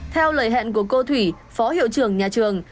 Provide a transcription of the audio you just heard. theo lời hẹn của cô thủy phó hiệu trưởng nhà trường